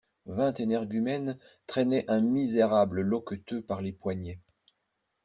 Vingt énergumènes traînaient un misérable loqueteux par les poignets.